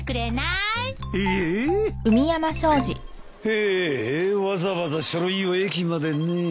へえわざわざ書類を駅までねえ。